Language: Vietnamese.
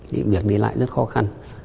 thì việc này lại rất khó khăn